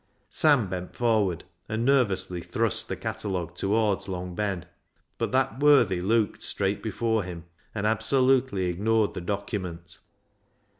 Sam bent forward and nervously thrust the catalogue towards Long Ben, but that worthy looked straight before him and absolutely ignored the document.